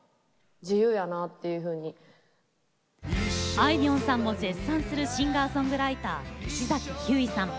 あいみょんさんも絶賛するシンガーソングライター石崎ひゅーいさん。